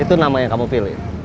itu nama yang kamu pilih